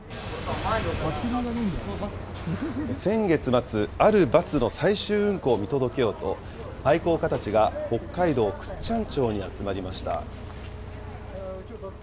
先月末、あるバスの最終運行を見届けようと、愛好家たちが北海道倶知安町に集まりました。